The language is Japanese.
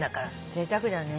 ぜいたくだね。